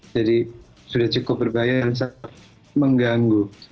jadi sudah cukup berbahaya dan sangat mengganggu